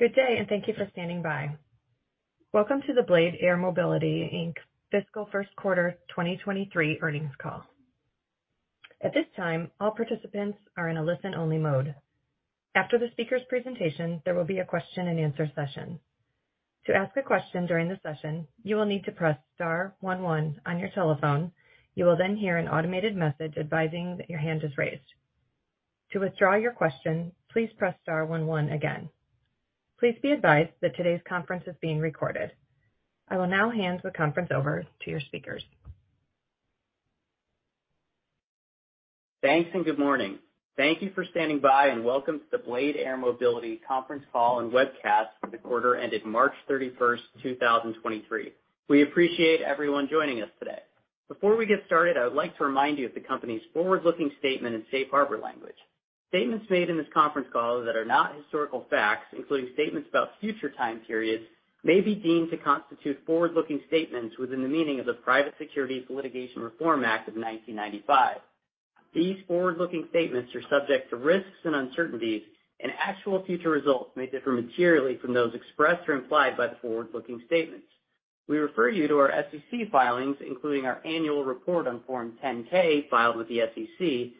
Good day, and thank you for standing by. Welcome to the Blade Air Mobility, Inc. Fiscal first quarter 2023 Earnings Call. At this time, all participants are in a listen-only mode. After the speaker's presentation, there will be a question-and-answer session. To ask a question during the session, you will need to press star one one on your telephone. You will then hear an automated message advising that your hand is raised. To withdraw your question, please press star one one again. Please be advised that today's conference is being recorded. I will now hand the conference over to your speakers. Thanks. Good morning. Thank you for standing by. Welcome to the Blade Air Mobility conference call and webcast for the quarter ended March 31, 2023. We appreciate everyone joining us today. Before we get started, I would like to remind you of the company's forward-looking statement and safe harbor language. Statements made in this conference call that are not historical facts, including statements about future time periods, may be deemed to constitute forward-looking statements within the meaning of the Private Securities Litigation Reform Act of 1995. These forward-looking statements are subject to risks and uncertainties. Actual future results may differ materially from those expressed or implied by the forward-looking statements. We refer you to our SEC filings, including our annual report on Form 10-K filed with the SEC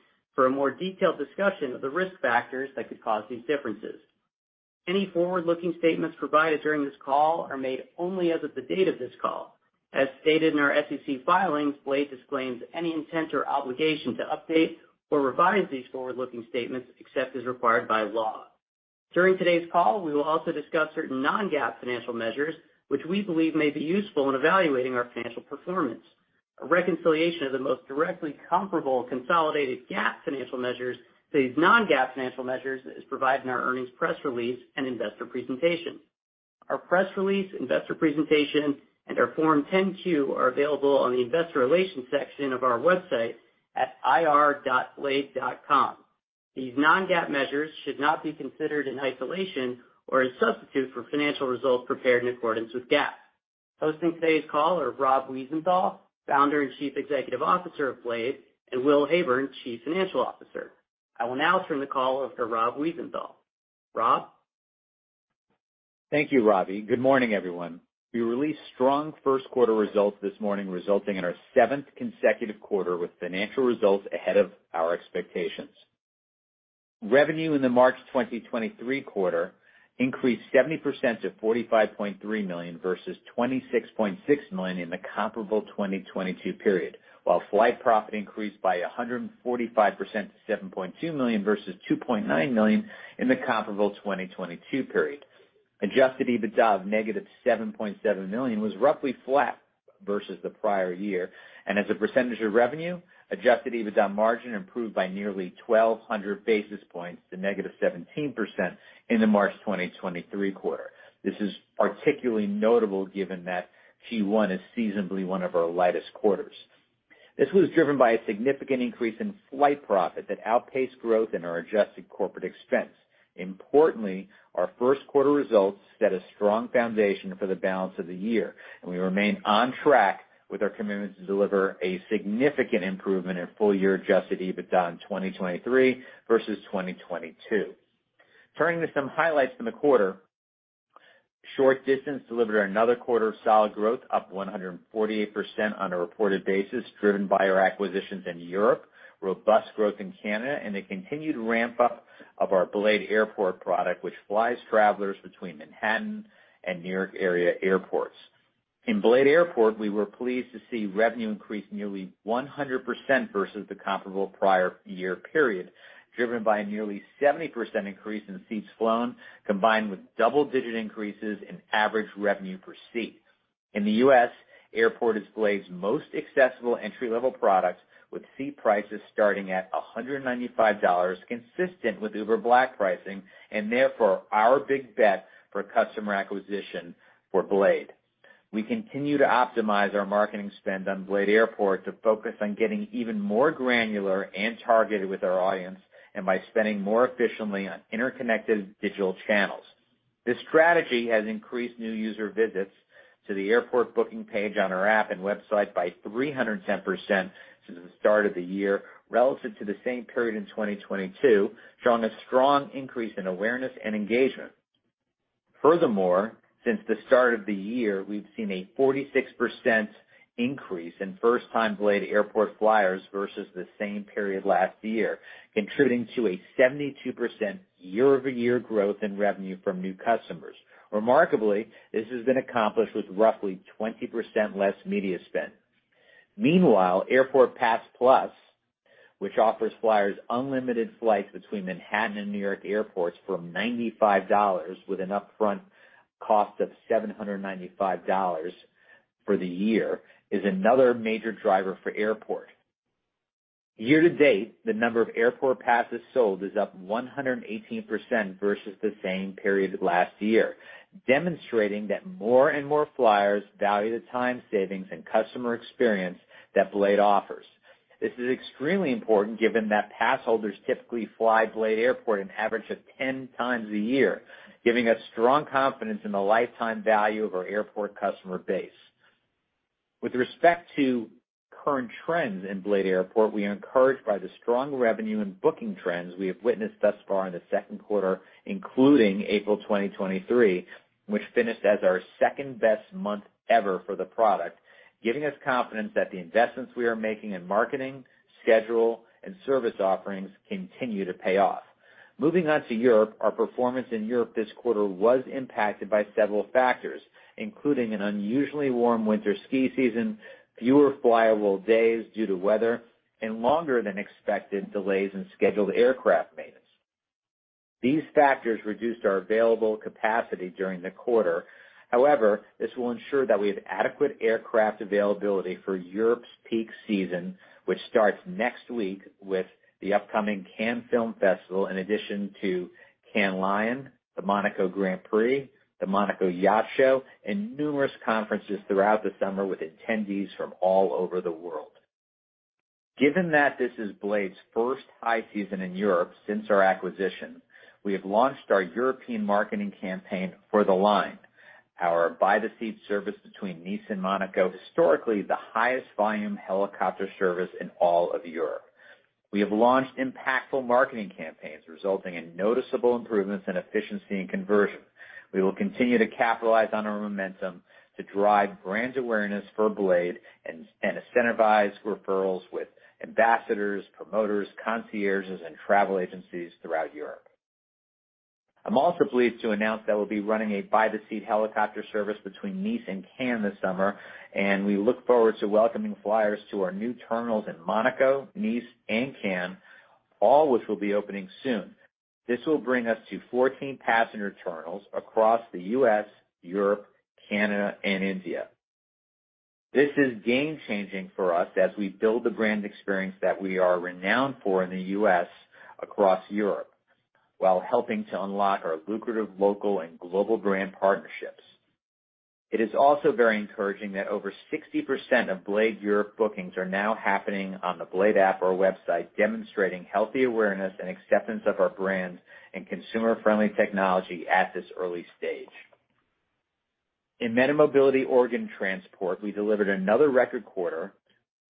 for a more detailed discussion of the risk factors that could cause these differences. Any forward-looking statements provided during this call are made only as of the date of this call. As stated in our SEC filings, Blade disclaims any intent or obligation to update or revise these forward-looking statements except as required by law. During today's call, we will also discuss certain non-GAAP financial measures which we believe may be useful in evaluating our financial performance. A reconciliation of the most directly comparable consolidated GAAP financial measures to these non-GAAP financial measures is provided in our earnings press release and investor presentation. Our press release, investor presentation, and our Form 10-Q are available on the investor relations section of our website at ir.blade.com. These non-GAAP measures should not be considered in isolation or a substitute for financial results prepared in accordance with GAAP. Hosting today's call are Rob Wiesenthal, Founder and Chief Executive Officer of Blade, and Will Heyburn, Chief Financial Officer. I will now turn the call over to Rob Wiesenthal. Rob? Thank you, Robbie. Good morning, everyone. We released strong first quarter results this morning, resulting in our seventh consecutive quarter with financial results ahead of our expectations. Revenue in the March 2023 quarter increased 70% to $45.3 million versus $26.6 million in the comparable 2022 period, while Flight Profit increased by 145% to $7.2 million versus $2.9 million in the comparable 2022 period. Adjusted EBITDA of negative $7.7 million was roughly flat versus the prior year, and as a percentage of revenue, adjusted EBITDA margin improved by nearly 1,200 basis points to negative 17% in the March 2023 quarter. This is particularly notable given that Q1 is seasonably one of our lightest quarters. This was driven by a significant increase in Flight Profit that outpaced growth in our adjusted corporate expense. Importantly, our first quarter results set a strong foundation for the balance of the year, and we remain on track with our commitment to deliver a significant improvement in full-year adjusted EBITDA in 2023 versus 2022. Turning to some highlights from the quarter. Short distance delivered another quarter of solid growth, up 148% on a reported basis, driven by our acquisitions in Europe, robust growth in Canada, and a continued ramp-up of our BLADE Airport product, which flies travelers between Manhattan and New York area airports. In BLADE Airport, we were pleased to see revenue increase nearly 100% versus the comparable prior year period, driven by a nearly 70% increase in seats flown, combined with double-digit increases in average revenue per seat. In the U.S., Airport is Blade's most accessible entry-level product, with seat prices starting at $195, consistent with Uber Black pricing, and therefore our big bet for customer acquisition for Blade. We continue to optimize our marketing spend on BLADE Airport to focus on getting even more granular and targeted with our audience and by spending more efficiently on interconnected digital channels. This strategy has increased new user visits to the Airport booking page on our app and website by 310% since the start of the year relative to the same period in 2022, showing a strong increase in awareness and engagement. Furthermore, since the start of the year, we've seen a 46% increase in first-time BLADE Airport flyers versus the same period last year, contributing to a 72% year-over-year growth in revenue from new customers. Remarkably, this has been accomplished with roughly 20% less media spend. Meanwhile, Airport Pass Plus, which offers flyers unlimited flights between Manhattan and New York airports for $95 with an upfront cost of $795 for the year, is another major driver for Airport. Year-to-date, the number of Airport passes sold is up 118% versus the same period last year, demonstrating that more and more flyers value the time savings and customer experience that Blade offers. This is extremely important given that pass holders typically fly BLADE Airport an average of 10 times a year, giving us strong confidence in the lifetime value of our Airport customer base. With respect to current trends in BLADE Airport, we are encouraged by the strong revenue and booking trends we have witnessed thus far in the second quarter, including April 2023, which finished as our second-best month ever for the product, giving us confidence that the investments we are making in marketing, schedule, and service offerings continue to pay off. Moving on to Europe. Our performance in Europe this quarter was impacted by several factors, including an unusually warm winter ski season, fewer flyable days due to weather, and longer than expected delays in scheduled aircraft maintenance. These factors reduced our available capacity during the quarter. This will ensure that we have adequate aircraft availability for Europe's peak season, which starts next week with the upcoming Cannes Film Festival, in addition to Cannes Lions, the Monaco Grand Prix, the Monaco Yacht Show, and numerous conferences throughout the summer with attendees from all over the world. Given that this is Blade's first high season in Europe since our acquisition, we have launched our European marketing campaign for The Line, our by-the-seat service between Nice and Monaco, historically the highest volume helicopter service in all of Europe. We have launched impactful marketing campaigns resulting in noticeable improvements in efficiency and conversion. We will continue to capitalize on our momentum to drive brand awareness for Blade and incentivize referrals with ambassadors, promoters, concierges, and travel agencies throughout Europe. I'm also pleased to announce that we'll be running a by-the-seat helicopter service between Nice and Cannes this summer, and we look forward to welcoming flyers to our new terminals in Monaco, Nice, and Cannes, all which will be opening soon. This will bring us to 14 passenger terminals across the U.S., Europe, Canada, and India. This is game-changing for us as we build the brand experience that we are renowned for in the U.S. across Europe, while helping to unlock our lucrative local and global brand partnerships. It is also very encouraging that over 60% of Blade Europe bookings are now happening on the Blade app or website, demonstrating healthy awareness and acceptance of our brand and consumer-friendly technology at this early stage. In MediMobility Organ Transport, we delivered another record quarter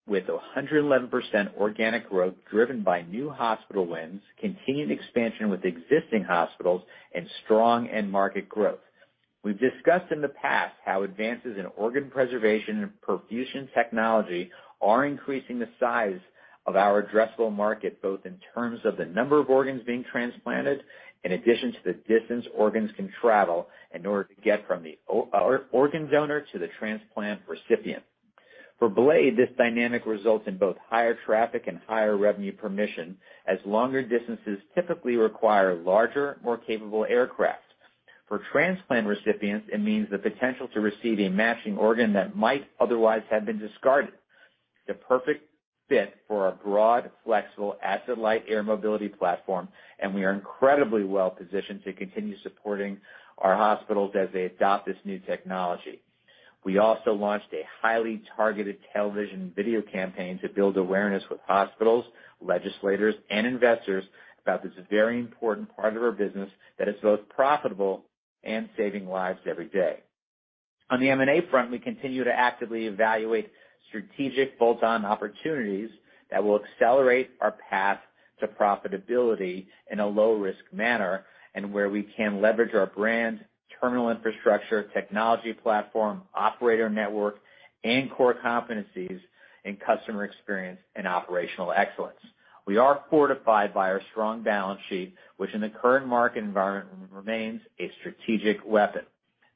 with 111% organic growth driven by new hospital wins, continued expansion with existing hospitals, and strong end-market growth. We've discussed in the past how advances in organ preservation and perfusion technology are increasing the size of our addressable market, both in terms of the number of organs being transplanted in addition to the distance organs can travel in order to get from the organ donor to the transplant recipient. For Blade, this dynamic results in both higher traffic and higher revenue permission, as longer distances typically require larger, more capable aircraft. For transplant recipients, it means the potential to receive a matching organ that might otherwise have been discarded. The perfect fit for our broad, flexible asset-light air mobility platform, and we are incredibly well-positioned to continue supporting our hospitals as they adopt this new technology. We also launched a highly targeted television video campaign to build awareness with hospitals, legislators, and investors about this very important part of our business that is both profitable and saving lives every day. On the M&A front, we continue to actively evaluate strategic bolt-on opportunities that will accelerate our path to profitability in a low-risk manner and where we can leverage our brand, terminal infrastructure, technology platform, operator network, and core competencies in customer experience and operational excellence. We are fortified by our strong balance sheet, which in the current market environment remains a strategic weapon.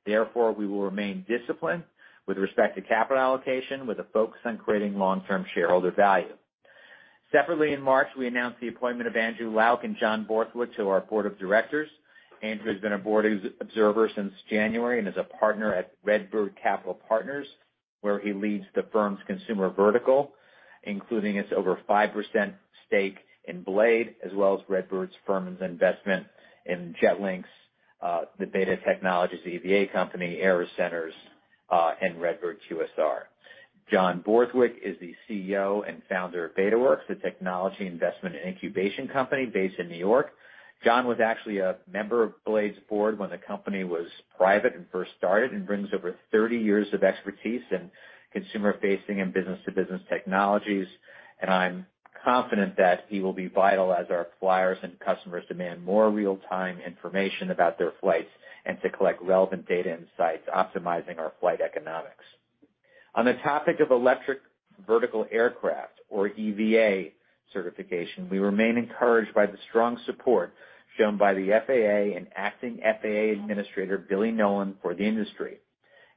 Therefore, we will remain disciplined with respect to capital allocation with a focus on creating long-term shareholder value. Separately, in March, we announced the appointment of Andrew Lauck and John Borthwick to our board of directors. Andrew's been a board observer since January and is a partner at RedBird Capital Partners, where he leads the firm's consumer vertical, including its over 5% stake in Blade, as well as RedBird's firm's investment in Jet Linx, the BETA Technologies EVA company, Aero Centers, and RedBird QSR. John Borthwick is the CEO and founder of Betaworks, the technology investment and incubation company based in New York. John was actually a member of Blade's board when the company was private and first started and brings over 30 years of expertise in consumer-facing and business-to-business technologies. I'm confident that he will be vital as our flyers and customers demand more real-time information about their flights and to collect relevant data insights, optimizing our flight economics. On the topic of electric vertical aircraft or EVA certification, we remain encouraged by the strong support shown by the FAA and Acting FAA Administrator, Billy Nolen, for the industry.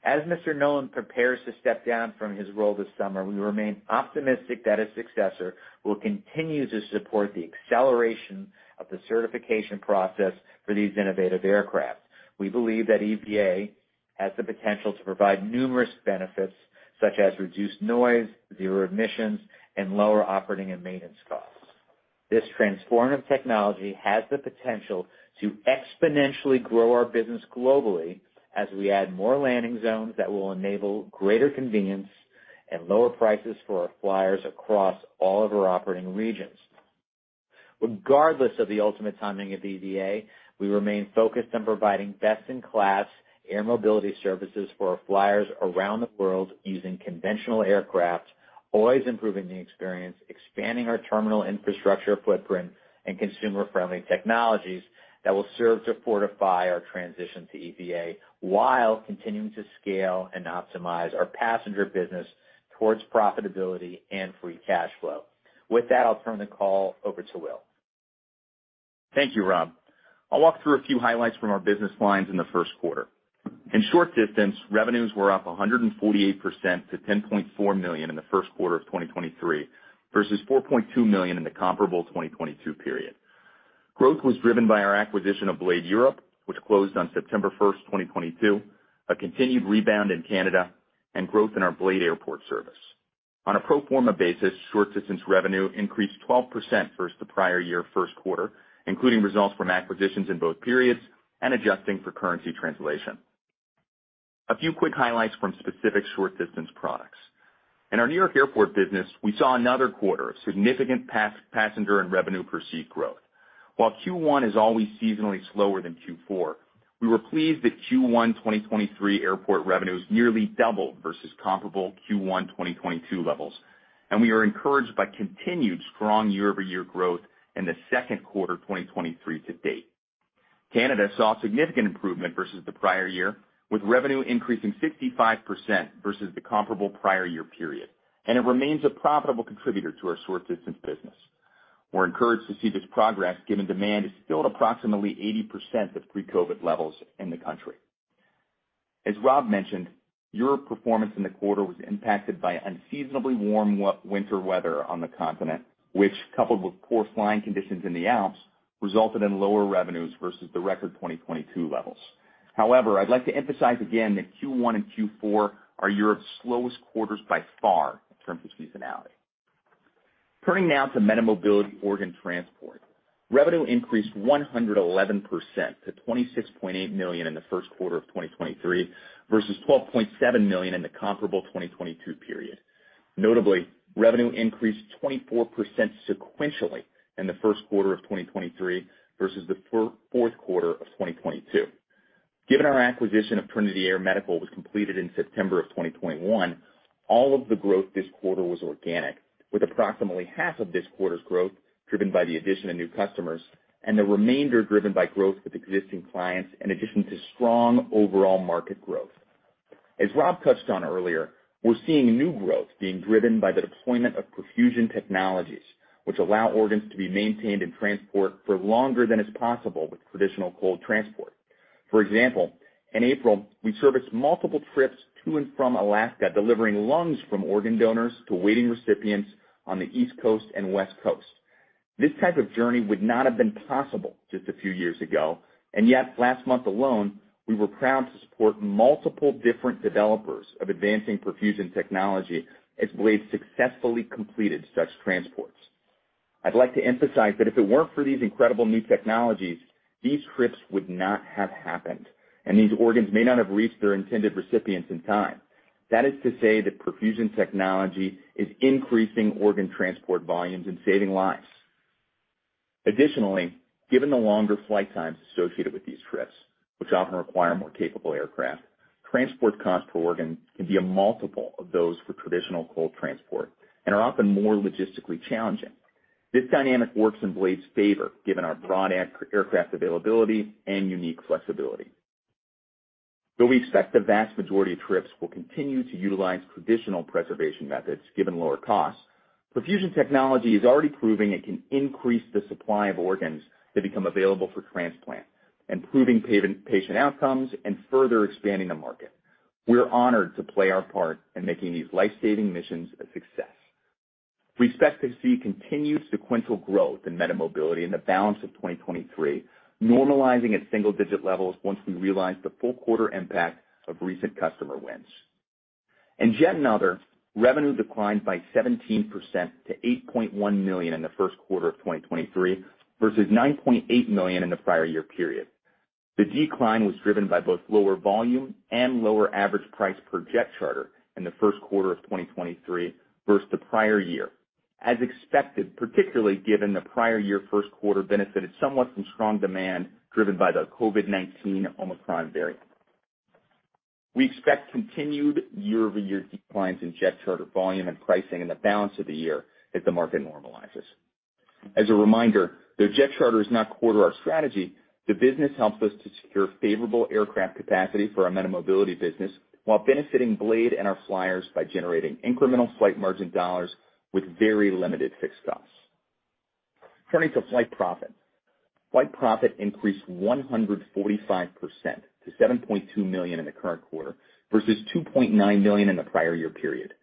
As Mr. Nolen prepares to step down from his role this summer, we remain optimistic that his successor will continue to support the acceleration of the certification process for these innovative aircraft. We believe that EVA has the potential to provide numerous benefits such as reduced noise, zero emissions, and lower operating and maintenance costs. This transformative technology has the potential to exponentially grow our business globally as we add more landing zones that will enable greater convenience and lower prices for our flyers across all of our operating regions. Regardless of the ultimate timing of EVA, we remain focused on providing best-in-class air mobility services for our flyers around the world using conventional aircraft, always improving the experience, expanding our terminal infrastructure footprint and consumer-friendly technologies that will serve to fortify our transition to EVA while continuing to scale and optimize our passenger business towards profitability and free cash flow. I'll turn the call over to Will. Thank you, Rob. I'll walk through a few highlights from our business lines in the first quarter. In short distance, revenues were up 148% to $10.4 million in the first quarter of 2023 versus $4.2 million in the comparable 2022 period. Growth was driven by our acquisition of Blade Europe, which closed on September 1, 2022, a continued rebound in Canada and growth in our BLADE Airport service. On a pro forma basis, short distance revenue increased 12% versus the prior year first quarter, including results from acquisitions in both periods and adjusting for currency translation. A few quick highlights from specific short distance products. In our New York airport business, we saw another quarter of significant pass-passenger and revenue per seat growth. While Q1 is always seasonally slower than Q4, we were pleased that Q1 2023 airport revenues nearly doubled versus comparable Q1 2022 levels, and we are encouraged by continued strong year-over-year growth in the second quarter 2023 to date. Canada saw significant improvement versus the prior year, with revenue increasing 65% versus the comparable prior year period, and it remains a profitable contributor to our short-distance business. We're encouraged to see this progress given demand is still at approximately 80% of pre-COVID levels in the country. As Rob mentioned, Europe performance in the quarter was impacted by unseasonably warm winter weather on the continent, which, coupled with poor flying conditions in the Alps, resulted in lower revenues versus the record 2022 levels. I'd like to emphasize again that Q1 and Q4 are Europe's slowest quarters by far in terms of seasonality. Turning now to MediMobility Organ Transport. Revenue increased 111% to $26.8 million in the first quarter of 2023 versus $12.7 million in the comparable 2022 period. Notably, revenue increased 24% sequentially in the first quarter of 2023 versus the fourth quarter of 2022. Given our acquisition of Trinity Air Medical was completed in September of 2021, all of the growth this quarter was organic, with approximately half of this quarter's growth driven by the addition of new customers and the remainder driven by growth with existing clients in addition to strong overall market growth. As Rob touched on earlier, we're seeing new growth being driven by the deployment of perfusion technologies, which allow organs to be maintained in transport for longer than is possible with traditional cold transport. For example, in April, we serviced multiple trips to and from Alaska, delivering lungs from organ donors to waiting recipients on the East Coast and West Coast. This type of journey would not have been possible just a few years ago. Yet last month alone, we were proud to support multiple different developers of advancing perfusion technology as Blade successfully completed such transports. I'd like to emphasize that if it weren't for these incredible new technologies, these trips would not have happened. These organs may not have reached their intended recipients in time. That is to say that perfusion technology is increasing organ transport volumes and saving lives. Additionally, given the longer flight times associated with these trips, which often require more capable aircraft, transport costs per organ can be a multiple of those for traditional cold transport and are often more logistically challenging. This dynamic works in Blade's favor given our broad air-aircraft availability and unique flexibility. Though we expect the vast majority of trips will continue to utilize traditional preservation methods given lower costs, perfusion technology is already proving it can increase the supply of organs that become available for transplant, improving patient outcomes and further expanding the market. We're honored to play our part in making these life-saving missions a success. We expect to see continued sequential growth in MediMobility in the balance of 2023, normalizing at single-digit levels once we realize the full quarter impact of recent customer wins. In Jet and Other, revenue declined by 17% to $8.1 million in the first quarter of 2023 versus $9.8 million in the prior year period. The decline was driven by both lower volume and lower average price per jet charter in the first quarter of 2023 versus the prior year, as expected, particularly given the prior year first quarter benefited somewhat from strong demand driven by the COVID-19 Omicron variant. We expect continued year-over-year declines in jet charter volume and pricing in the balance of the year as the market normalizes. As a reminder, though jet charter is not core to our strategy, the business helps us to secure favorable aircraft capacity for our MediMobility business while benefiting Blade and our flyers by generating incremental Flight Margin dollars with very limited fixed costs. Turning to Flight Profit. Flight Profit increased 145% to $7.2 million in the current quarter versus $2.9 million in the prior year period.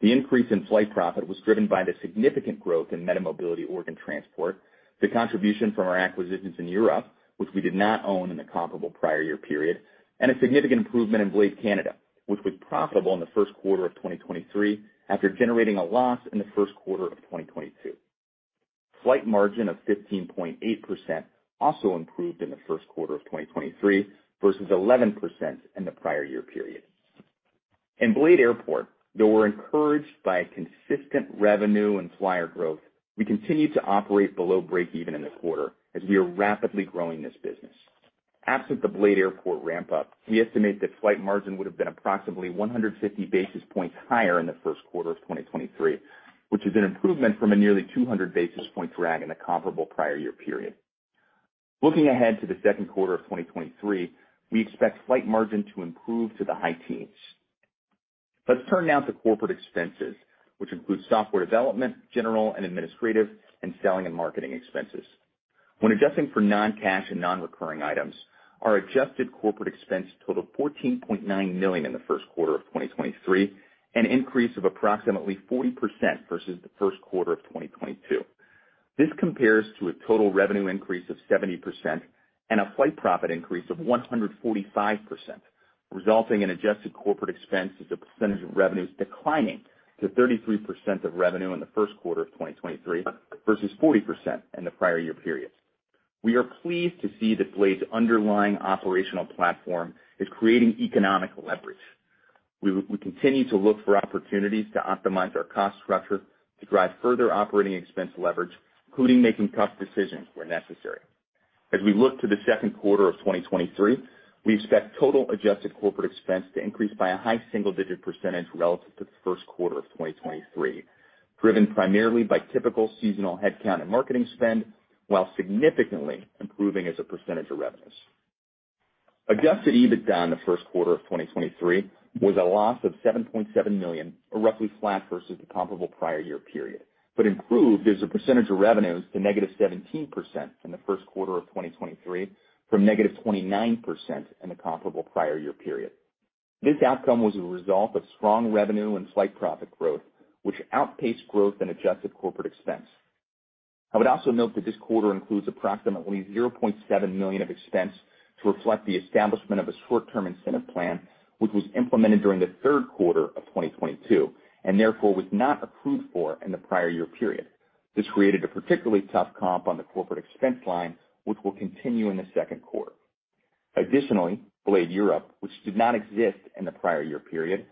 The increase in Flight Profit was driven by the significant growth in MediMobility Organ Transport, the contribution from our acquisitions in Europe, which we did not own in the comparable prior year period, and a significant improvement in Blade Canada, which was profitable in the first quarter of 2023 after generating a loss in the first quarter of 2022. Flight Margin of 15.8% also improved in the first quarter of 2023 versus 11% in the prior year period. In BLADE Airport, though we're encouraged by consistent revenue and flyer growth, we continue to operate below break-even in the quarter as we are rapidly growing this business. Absent the BLADE Airport ramp up, we estimate that Flight Margin would have been approximately 150 basis points higher in the first quarter of 2023, which is an improvement from a nearly 200 basis point drag in the comparable prior year period. Looking ahead to the second quarter of 2023, we expect Flight Margin to improve to the high teens. Let's turn now to corporate expenses, which includes software development, general and administrative, and selling and marketing expenses. When adjusting for non-cash and non-recurring items, our adjusted corporate expense totaled $14.9 million in the first quarter of 2023, an increase of approximately 40% versus the first quarter of 2022. This compares to a total revenue increase of 70% and a Flight Profit increase of 145%, resulting in adjusted corporate expense as a percentage of revenues declining to 33% of revenue in the first quarter of 2023 versus 40% in the prior year period. We are pleased to see that Blade's underlying operational platform is creating economic leverage. We continue to look for opportunities to optimize our cost structure to drive further operating expense leverage, including making tough decisions where necessary. As we look to the second quarter of 2023, we expect total adjusted corporate expense to increase by a high single-digit percentage relative to the first quarter of 2023, driven primarily by typical seasonal headcount and marketing spend, while significantly improving as a percentage of revenues. Adjusted EBITDA in the first quarter of 2023 was a loss of $7.7 million, or roughly flat versus the comparable prior year period, but improved as a percentage of revenues to -17% in the first quarter of 2023 from -29% in the comparable prior year period. This outcome was a result of strong revenue and flight profit growth, which outpaced growth in adjusted corporate expense. I would also note that this quarter includes approximately $0.7 million of expense to reflect the establishment of a short-term incentive plan which was implemented during the third quarter of 2022, and therefore was not approved for in the prior year period. This created a particularly tough comp on the corporate expense line, which will continue in the second quarter. Additionally, Blade Europe, which did not exist in the prior year period,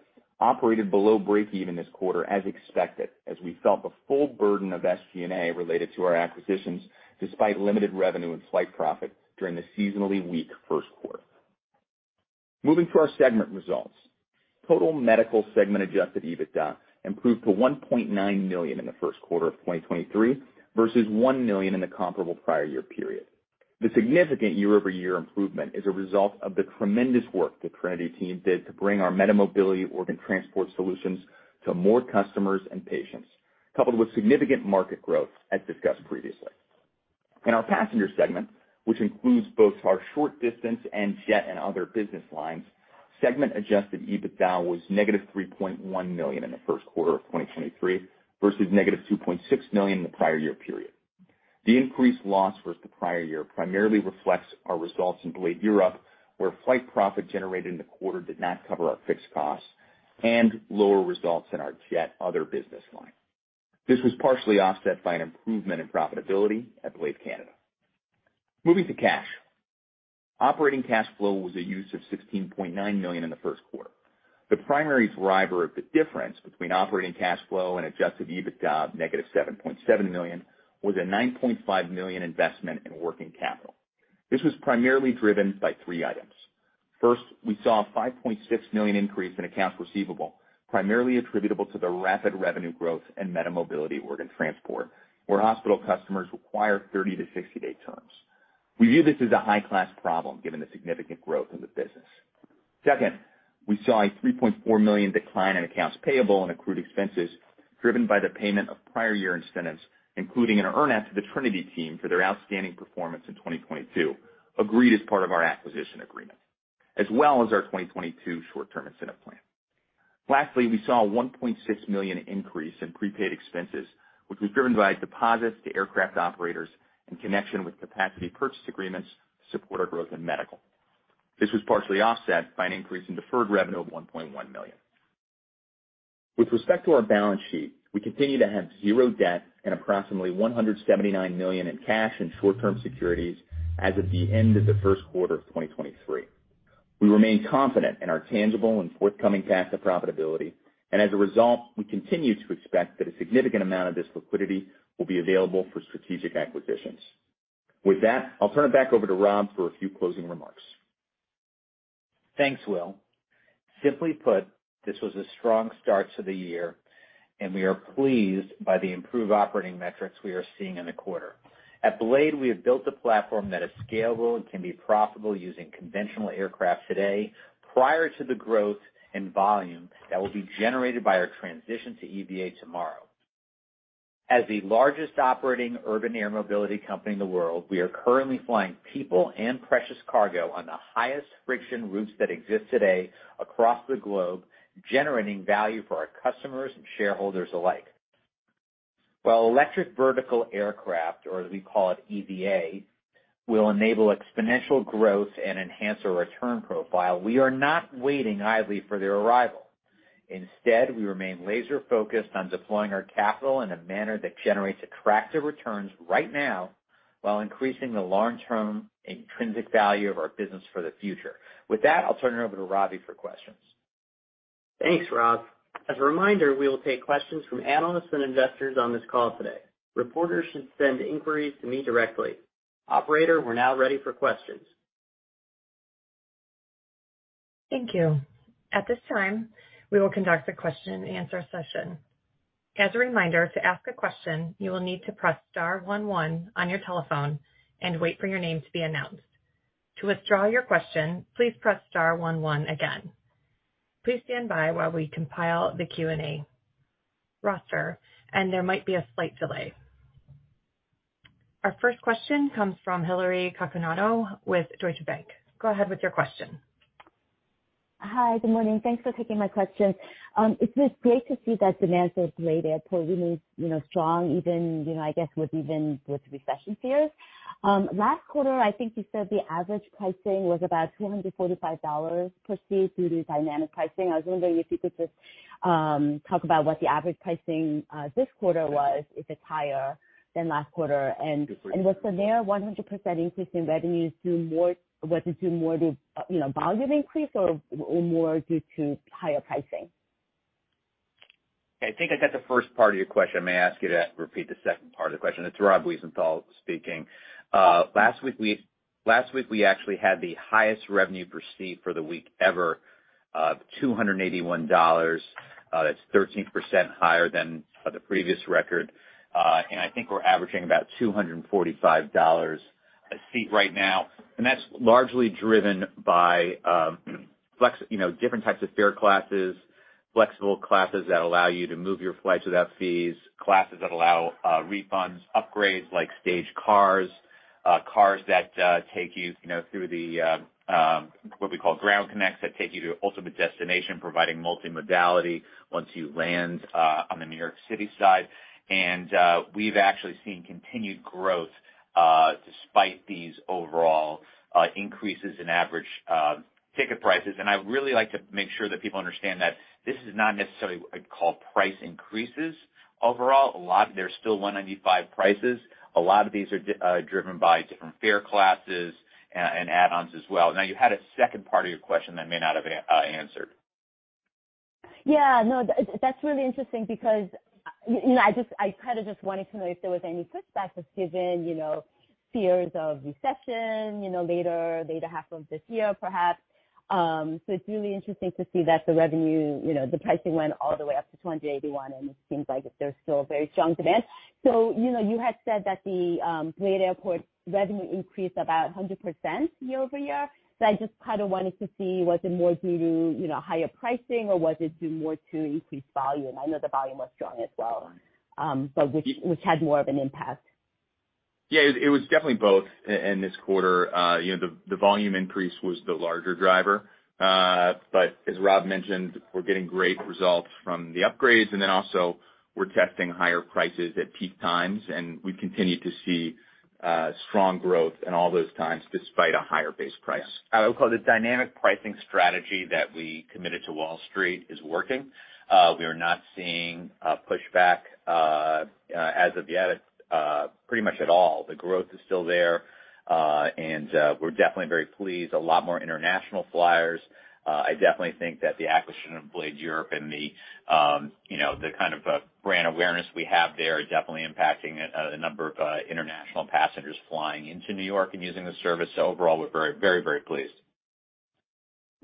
operated below break-even this quarter as expected, as we felt the full burden of SG&A related to our acquisitions despite limited revenue and flight profit during the seasonally weak first quarter. Moving to our segment results. Total medical segment adjusted EBITDA improved to $1.9 million in the first quarter of 2023 versus $1 million in the comparable prior year period. The significant year-over-year improvement is a result of the tremendous work the Trinity team did to bring our MediMobility Organ Transport solutions to more customers and patients, coupled with significant market growth as discussed previously. In our passenger segment, which includes both our short distance and jet and other business lines, segment adjusted EBITDA was negative $3.1 million in the first quarter of 2023 versus negative $2.6 million in the prior year period. The increased loss versus the prior year primarily reflects our results in Blade Europe, where Flight Profit generated in the quarter did not cover our fixed costs and lower results in our jet other business line. This was partially offset by an improvement in profitability at Blade Canada. Moving to cash. Operating cash flow was a use of $16.9 million in the first quarter. The primary driver of the difference between operating cash flow and adjusted EBITDA of negative $7.7 million was a $9.5 million investment in working capital. This was primarily driven by three items. We saw a $5.6 million increase in accounts receivable, primarily attributable to the rapid revenue growth in MediMobility Organ Transport, where hospital customers require 30 to 60 day terms. We saw a $3.4 million decline in accounts payable and accrued expenses driven by the payment of prior year incentives, including an earn out to the Trinity team for their outstanding performance in 2022, agreed as part of our acquisition agreement, as well as our 2022 short-term incentive plan. We saw a $1.6 million increase in prepaid expenses, which was driven by deposits to aircraft operators in connection with capacity purchase agreements to support our growth in medical. This was partially offset by an increase in deferred revenue of $1.1 million. With respect to our balance sheet, we continue to have zero debt and approximately $179 million in cash and short-term securities as of the end of the first quarter of 2023. We remain confident in our tangible and forthcoming path to profitability. As a result, we continue to expect that a significant amount of this liquidity will be available for strategic acquisitions. With that, I'll turn it back over to Rob for a few closing remarks. Thanks, Will. Simply put, this was a strong start to the year. We are pleased by the improved operating metrics we are seeing in the quarter. At Blade, we have built a platform that is scalable and can be profitable using conventional aircraft today prior to the growth and volume that will be generated by our transition to EVA tomorrow. As the largest operating urban air mobility company in the world, we are currently flying people and precious cargo on the highest friction routes that exist today across the globe, generating value for our customers and shareholders alike. While electric vertical aircraft, or as we call it EVA, will enable exponential growth and enhance our return profile, we are not waiting idly for their arrival. Instead, we remain laser-focused on deploying our capital in a manner that generates attractive returns right now while increasing the long-term intrinsic value of our business for the future. With that, I'll turn it over to Robbie for questions. Thanks, Rob. As a reminder, we will take questions from analysts and investors on this call today. Reporters should send inquiries to me directly. Operator, we're now ready for questions. Thank you. At this time, we will conduct a question-and-answer session. As a reminder, to ask a question, you will need to press star one one on your telephone and wait for your name to be announced. To withdraw your question, please press star one oneLastThat's again. Please stand by while we compile the Q&A roster. There might be a slight delay. Our first question comes from Hillary Cacanando with Deutsche Bank. Go ahead with your question. Hi. Good morning. Thanks for taking my question. It's just great to see that demand for Blade Airport remains, you know, strong, even, you know, I guess, with even with recession fears. Last quarter, I think you said the average pricing was about $245 per seat due to dynamic pricing. I was wondering if you could just talk about what the average pricing this quarter was, if it's higher than last quarter. Was the near 100% increase in revenues was it due more to, you know, volume increase or more due to higher pricing? I think I got the first part of your question. May I ask you to repeat the second part of the question? It's Rob Wiesenthal speaking. last week we actually had the highest revenue per seat for the week ever, of $281. That's 13% higher than the previous record, and I think we're averaging about $245 a seat right now. That's largely driven by, you know, different types of fare classes, flexible classes that allow you to move your flight without fees. Classes that allow refunds, upgrades like stage cars that take you know, through the what we call ground connects that take you to ultimate destination, providing multimodality once you land on the New York City side. We've actually seen continued growth despite these overall increases in average ticket prices. I'd really like to make sure that people understand that this is not necessarily what I'd call price increases overall. There's still $195 prices. A lot of these are driven by different fare classes and add-ons as well. Now, you had a second part of your question that I may not have answered. Yeah, no, that's really interesting because, you know, I kind of just wanted to know if there was any pushback given, you know, fears of recession, you know, later half of this year, perhaps. It's really interesting to see that the revenue, you know, the pricing went all the way up to $281, and it seems like there's still very strong demand. You know, you had said that the BLADE Airport revenue increased about 100% year-over-year. I just kind of wanted to see, was it more due to, you know, higher pricing, or was it due more to increased volume? I know the volume was strong as well, but which had more of an impact? Yeah, it was definitely both in this quarter. You know, the volume increase was the larger driver. As Rob mentioned, we're getting great results from the upgrades, and then also we're testing higher prices at peak times, and we continue to see strong growth in all those times despite a higher base price. I would call the dynamic pricing strategy that we committed to Wall Street is working. We are not seeing pushback as of yet, pretty much at all. The growth is still there, and we're definitely very pleased. A lot more international flyers. I definitely think that the acquisition of Blade Europe and the, you know, the kind of brand awareness we have there are definitely impacting a number of international passengers flying into New York and using the service. Overall, we're very, very, very pleased.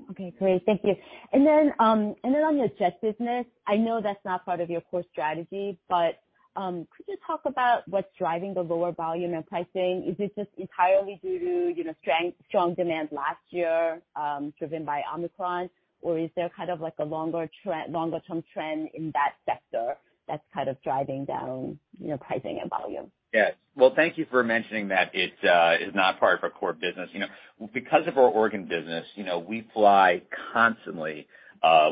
Okay, great. Thank you. On the jet business, I know that's not part of your core strategy, but, could you talk about what's driving the lower volume and pricing? Is it just entirely due to, you know, strong demand last year, driven by Omicron? Or is there kind of like a longer-term trend in that sector that's kind of driving down, you know, pricing and volume? Yes. Well, thank you for mentioning that it is not part of our core business. You know, because of our organ business, you know, we fly constantly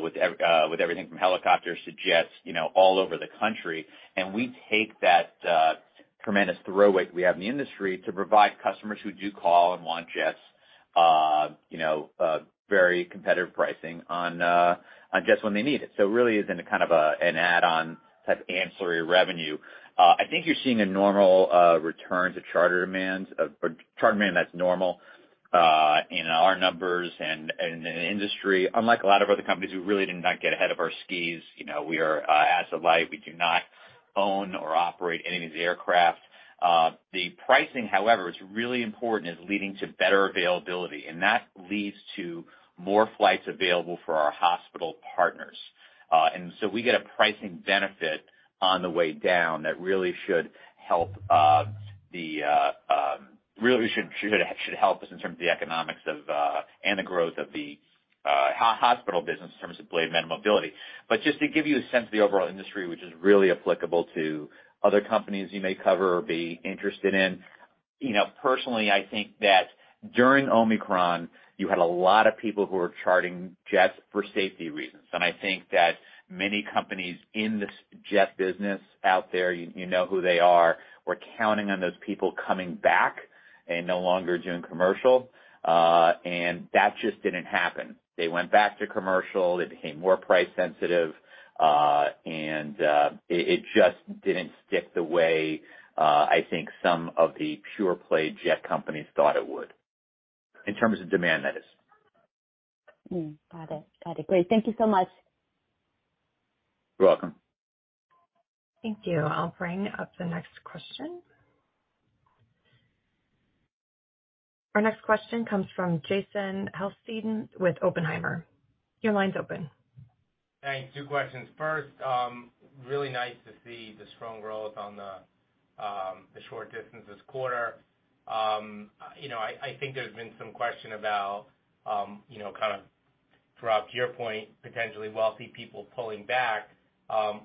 with everything from helicopters to jets, you know, all over the country. We take that tremendous throw weight we have in the industry to provide customers who do call and want jets, you know, very competitive pricing on jets when they need it. It really is in a kind of an add-on type ancillary revenue. I think you're seeing a normal return to charter demands. Charter demand that's normal in our numbers and in the industry. Unlike a lot of other companies, we really did not get ahead of our skis. You know, we are asset-light. We do not own or operate any of the aircraft. The pricing, however, is really important, is leading to better availability, and that leads to more flights available for our hospital partners. We get a pricing benefit on the way down that really should help, really should help us in terms of the economics of, and the growth of the, hospital business in terms of Blade Urban Mobility. Just to give you a sense of the overall industry, which is really applicable to other companies you may cover or be interested in, you know, personally, I think that during Omicron, you had a lot of people who were charting jets for safety reasons. I think that many companies in this jet business out there, you know who they are, were counting on those people coming back. No longer doing commercial. That just didn't happen. They went back to commercial. They became more price sensitive, and it just didn't stick the way I think some of the pure play jet companies thought it would, in terms of demand that is. Got it. Got it. Great. Thank you so much. You're welcome. Thank you. I'll bring up the next question. Our next question comes from Jason Helfstein with Oppenheimer. Your line's open. Thanks. Two questions. First, really nice to see the strong growth on the short distance this quarter. You know, I think there's been some question about, you know, kind of throughout your point, potentially wealthy people pulling back,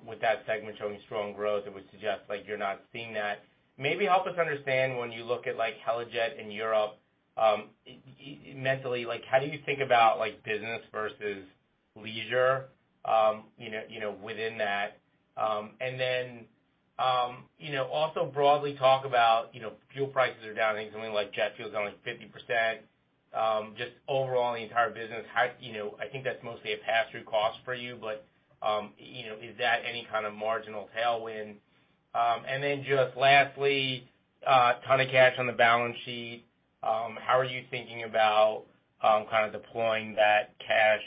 with that segment showing strong growth, it would suggest like you're not seeing that. Maybe help us understand when you look at like Helijet in Europe, mentally, like how do you think about like business versus leisure, you know, within that? You know, also broadly talk about, you know, fuel prices are down. I think something like jet fuel is down like 50%. Just overall in the entire business, you know, I think that's mostly a pass-through cost for you, but, you know, is that any kind of marginal tailwind? Just lastly, ton of cash on the balance sheet, how are you thinking about deploying that cash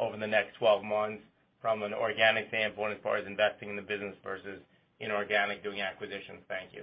over the next 12 months from an organic standpoint as far as investing in the business versus inorganic doing acquisitions? Thank you.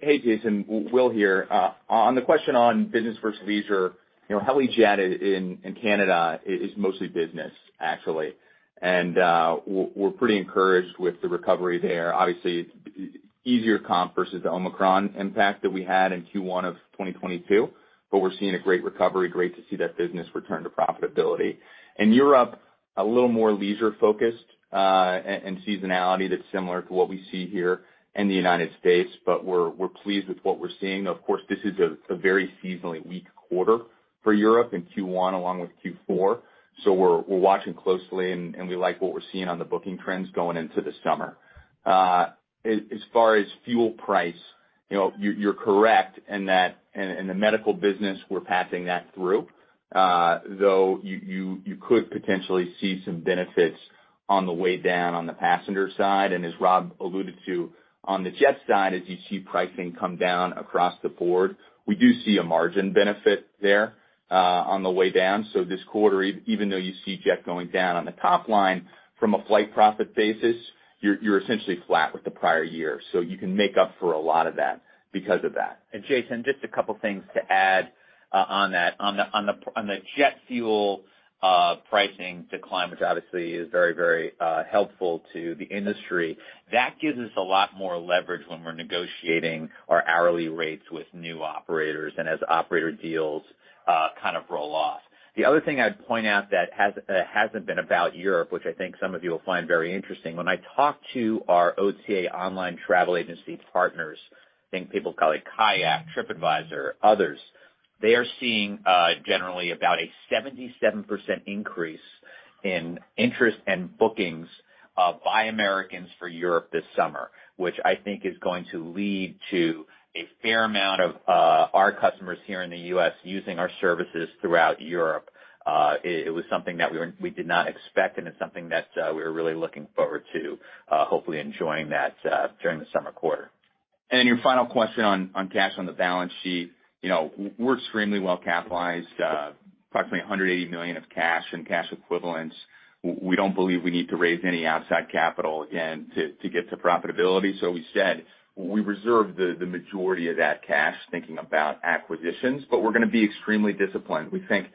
Hey, Jason. Will here. On the question on business versus leisure, you know, Helijet in Canada is mostly business, actually. We're pretty encouraged with the recovery there. Obviously, it's easier comp versus the Omicron impact that we had in Q1 of 2022, but we're seeing a great recovery. Great to see that business return to profitability. In Europe, a little more leisure-focused, and seasonality that's similar to what we see here in the United States, but we're pleased with what we're seeing. Of course, this is a very seasonally weak quarter for Europe in Q1 along with Q4. We're watching closely and we like what we're seeing on the booking trends going into the summer. As far as fuel price, you know, you're correct in the medical business, we're passing that through. Though you could potentially see some benefits on the way down on the passenger side. As Rob alluded to, on the jet side, as you see pricing come down across the board, we do see a margin benefit there on the way down. This quarter, even though you see jet going down on the top line from a Flight Profit basis, you're essentially flat with the prior year. You can make up for a lot of that because of that. Jason, just a couple things to add on that. On the jet fuel pricing decline, which obviously is very, very helpful to the industry, that gives us a lot more leverage when we're negotiating our hourly rates with new operators and as operator deals kind of roll off. The other thing I'd point out that hasn't been about Europe, which I think some of you will find very interesting. When I talk to our OTA online travel agency partners, think people call it KAYAK, TripAdvisor, others, they are seeing generally about a 77% increase in interest and bookings by Americans for Europe this summer, which I think is going to lead to a fair amount of our customers here in the U.S. using our services throughout Europe. It was something that we did not expect. It's something that we're really looking forward to, hopefully enjoying that during the summer quarter. Your final question on cash on the balance sheet. You know, we're extremely well capitalized, approximately $180 million of cash and cash equivalents. We don't believe we need to raise any outside capital again to get to profitability. We said we reserve the majority of that cash thinking about acquisitions, but we're gonna be extremely disciplined. We think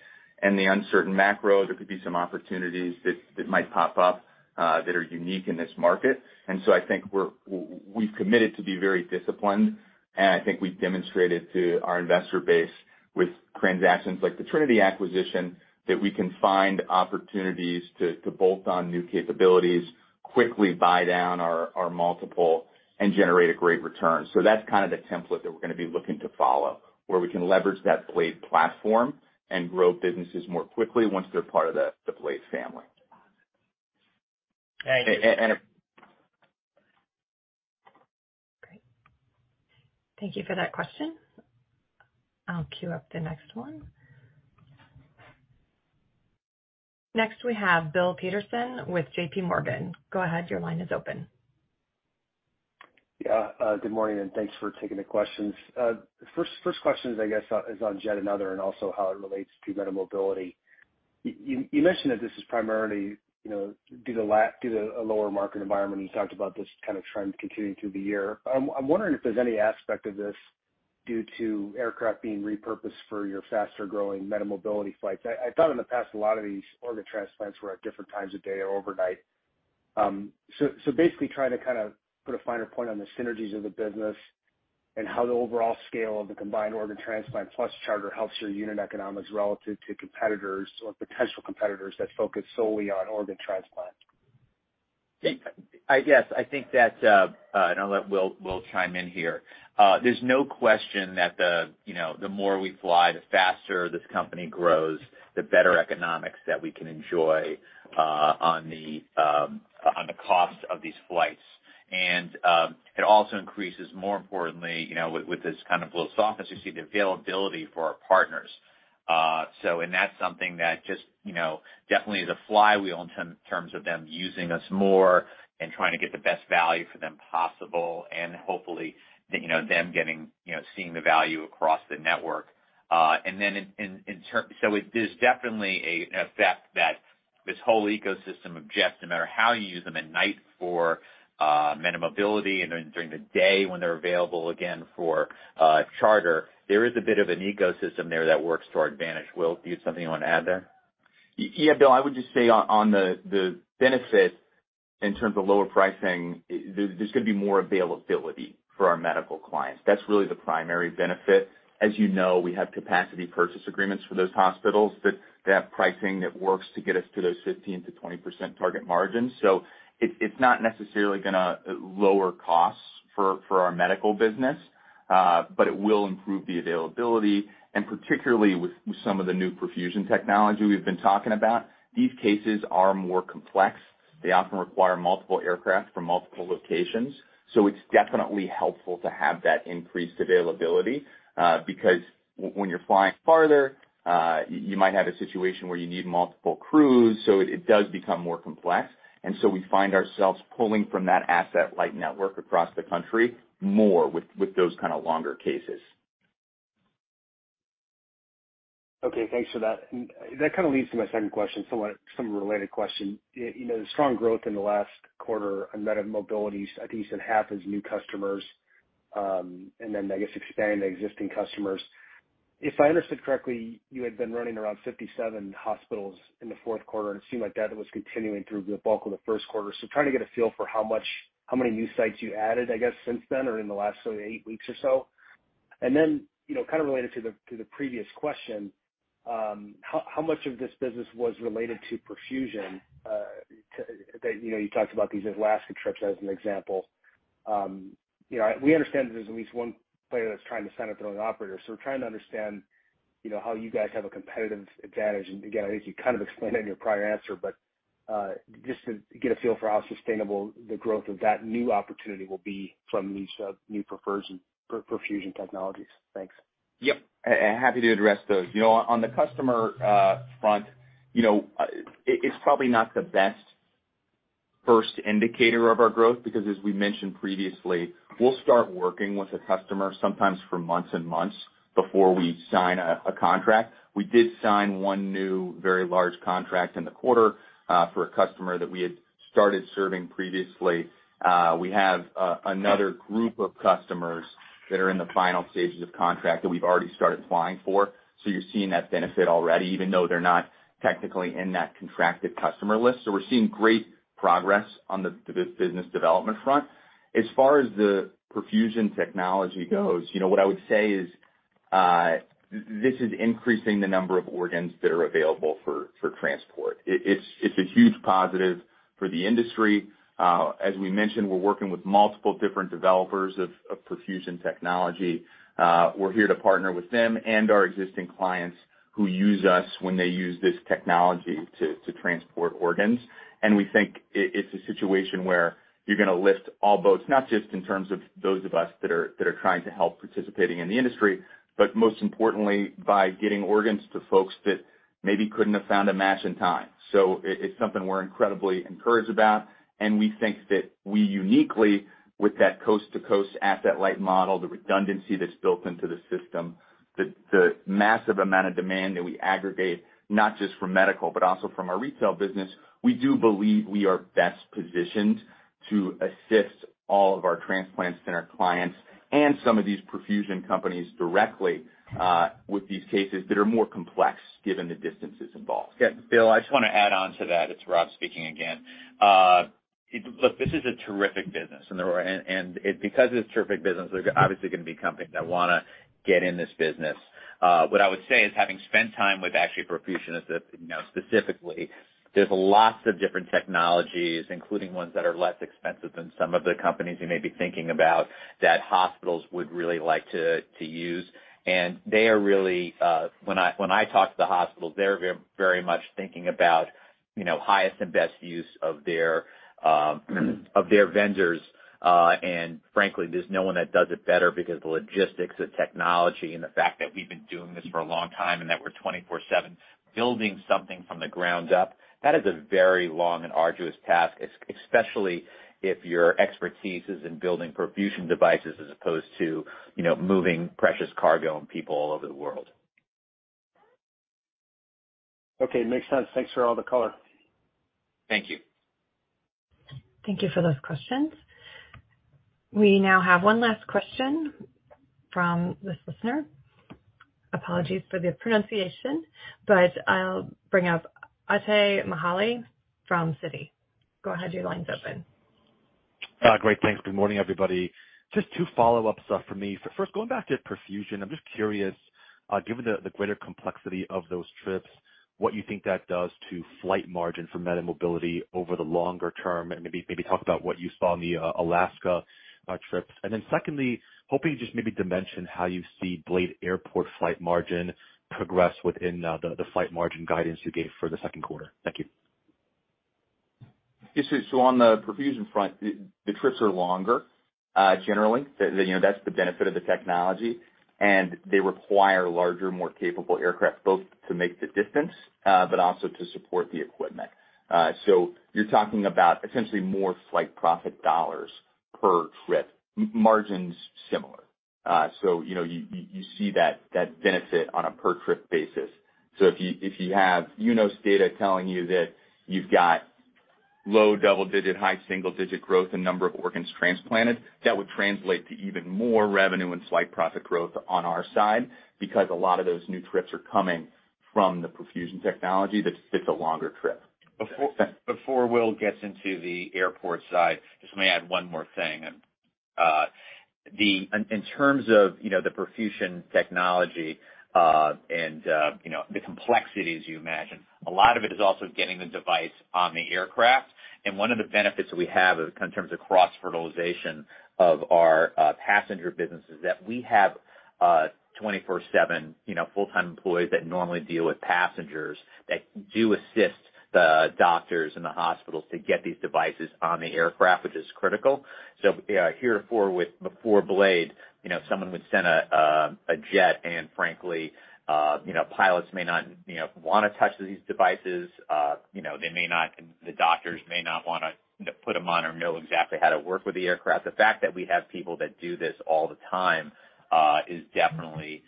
in the uncertain macro, there could be some opportunities that might pop up that are unique in this market. I think we've committed to be very disciplined, and I think we've demonstrated to our investor base with transactions like the Trinity acquisition, that we can find opportunities to bolt on new capabilities, quickly buy down our multiple, and generate a great return. That's kind of the template that we're gonna be looking to follow, where we can leverage that Blade platform and grow businesses more quickly once they're part of the Blade family. Thank you. Great. Thank you for that question. I'll queue up the next one. Next, we have Bill Peterson with JPMorgan. Go ahead, your line is open. Good morning. Thanks for taking the questions. The first question is, I guess, is on Jet another and also how it relates to MediMobility. You mentioned that this is primarily, you know, due to a lower market environment, and you talked about this kind of trend continuing through the year. I'm wondering if there's any aspect of this due to aircraft being repurposed for your faster-growing MediMobility flights. I thought in the past, a lot of these organ transplants were at different times of day or overnight. Basically trying to kind of put a finer point on the synergies of the business and how the overall scale of the combined organ transplant plus charter helps your unit economics relative to competitors or potential competitors that focus solely on organ transplant? Yeah. I guess I think that. I'll let Will chime in here. There's no question that the, you know, the more we fly, the faster this company grows, the better economics that we can enjoy, on the cost of these flights. It also increases more importantly, you know, with this kind of little softness, you see the availability for our partners. That's something that just, you know, definitely is a flywheel in terms of them using us more and trying to get the best value for them possible, and hopefully, you know, them getting, you know, seeing the value across the network. There's definitely a fact that this whole ecosystem of jets, no matter how you use them at night for MediMobility and then during the day when they're available again for charter, there is a bit of an ecosystem there that works to our advantage. Will, do you have something you wanna add there? Yeah, Bill, I would just say on the benefit in terms of lower pricing, there's gonna be more availability for our medical clients. That's really the primary benefit. As you know, we have capacity purchase agreements for those hospitals that they have pricing that works to get us to those 15%-20% target margins. It's not necessarily gonna lower costs for our medical business, but it will improve the availability, and particularly with some of the new perfusion technology we've been talking about. These cases are more complex. They often require multiple aircraft from multiple locations. It's definitely helpful to have that increased availability, because when you're flying farther, you might have a situation where you need multiple crews, so it does become more complex. We find ourselves pulling from that asset-light network across the country more with those kinda longer cases. Okay, thanks for that. That kinda leads to my second question, somewhat some related question. You, you know, the strong growth in the last quarter on MediMobility, I think you said half is new customers, and then I guess expanding the existing customers. If I understood correctly, you had been running around 57 hospitals in the fourth quarter, and it seemed like that was continuing through the bulk of the first quarter. Trying to get a feel for how many new sites you added, I guess, since then or in the last sort of eight weeks or so. Then, you know, kind of related to the previous question, how much of this business was related to perfusion? You know, you talked about these Alaska trips as an example. You know, we understand that there's at least one player that's trying to sign up their own operator. We're trying to understand, you know, how you guys have a competitive advantage. Again, I think you kind of explained it in your prior answer, but just to get a feel for how sustainable the growth of that new opportunity will be from these new perfusion technologies. Thanks. Yep. Happy to address those. You know, on the customer front, you know, it's probably not the best first indicator of our growth because as we mentioned previously, we'll start working with a customer sometimes for months and months before we sign a contract. We did sign one new very large contract in the quarter for a customer that we had started serving previously. We have another group of customers that are in the final stages of contract that we've already started flying for. You're seeing that benefit already, even though they're not technically in that contracted customer list. We're seeing great progress on the business development front. As far as the perfusion technology goes, you know, what I would say is, this is increasing the number of organs that are available for transport. It's a huge positive for the industry. As we mentioned, we're working with multiple different developers of perfusion technology. We're here to partner with them and our existing clients who use us when they use this technology to transport organs. We think it's a situation where you're gonna lift all boats, not just in terms of those of us that are trying to help participating in the industry, but most importantly, by getting organs to folks that maybe couldn't have found a match in time. It's something we're incredibly encouraged about. We think that we uniquely with that coast-to-coast asset-light model, the redundancy that's built into the system, the massive amount of demand that we aggregate, not just from medical, but also from our retail business, we do believe we are best positioned to assist all of our transplant center clients and some of these perfusion companies directly with these cases that are more complex given the distances involved. Yeah, Bill, I just wanna add on to that. It's Rob speaking again. Look, this is a terrific business, because it's a terrific business, there's obviously gonna be companies that wanna get in this business. What I would say is having spent time with actually perfusionists, you know, specifically, there's lots of different technologies, including ones that are less expensive than some of the companies you may be thinking about that hospitals would really like to use. They are really, when I, when I talk to the hospitals, they're very much thinking about, you know, highest and best use of their, of their vendors. Frankly, there's no one that does it better because the logistics, the technology, and the fact that we've been doing this for a long time and that we're 24/7. Building something from the ground up, that is a very long and arduous task, especially if your expertise is in building perfusion devices as opposed to, you know, moving precious cargo and people all over the world. Okay, makes sense. Thanks for all the color. Thank you. Thank you for those questions. We now have one last question from this listener. Apologies for the pronunciation, but I'll bring up Itay Michaeli from Citi. Go ahead, your line's open. Great. Thanks. Good morning, everybody. Just 2 follow-up stuff for me. First, going back to perfusion, I'm just curious, given the greater complexity of those trips, what you think that does to Flight Margin for MediMobility over the longer term, and maybe talk about what you saw in the Alaska trips. Secondly, hoping you just maybe dimension how you see BLADE Airport Flight Margin progress within the Flight Margin guidance you gave for the second quarter. Thank you. Yes, on the perfusion front, the trips are longer, generally. You know, that's the benefit of the technology. They require larger, more capable aircraft, both to make the distance, but also to support the equipment. You're talking about essentially more Flight Profit dollars per trip. Margins, similar. You know, you see that benefit on a per-trip basis. If you have UNOS data telling you that you've got low double-digit, high single-digit growth in number of organs transplanted, that would translate to even more revenue and Flight Profit growth on our side, because a lot of those new trips are coming from the perfusion technology, it's a longer trip. Before Will gets into the airport side, just let me add one more thing. In terms of, you know, the perfusion technology, and, you know, the complexities you imagine, a lot of it is also getting the device on the aircraft. One of the benefits we have in terms of cross-fertilization of our passenger business is that we have 24/7, you know, full-time employees that normally deal with passengers that do assist the doctors and the hospitals to get these devices on the aircraft, which is critical. Heretofore before Blade, you know, someone would send a jet, and frankly, you know, pilots may not, you know, wanna touch these devices. The doctors may not wanna put them on or know exactly how to work with the aircraft. The fact that we have people that do this all the time, is definitely,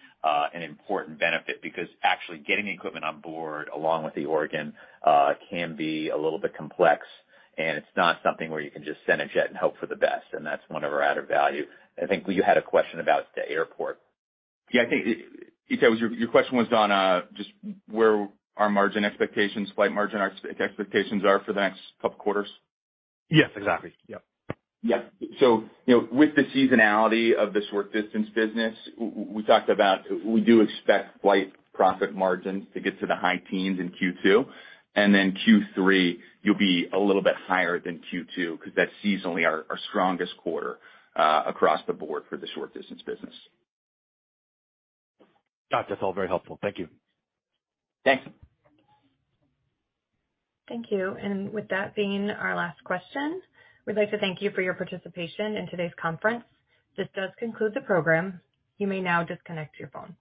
an important benefit because actually getting equipment on board along with the organ, can be a little bit complex, and it's not something where you can just send a jet and hope for the best, and that's one of our added value. I think you had a question about the airport. I think, Itay, your question was on just where our margin expectations, Flight Margin expectations are for the next couple of quarters. Yes, exactly. Yep. Yeah. you know, with the seasonality of the short distance business, we talked about we do expect Flight Profit margins to get to the high teens in Q2, and in Q3, you'll be a little bit higher than Q2 because that's seasonally our strongest quarter across the board for the short-distance business. Got it. That's all very helpful. Thank you. Thanks. Thank you. With that being our last question, we'd like to thank you for your participation in today's conference. This does conclude the program. You may now disconnect your phone.